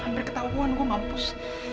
hampir ketahuan gue mampus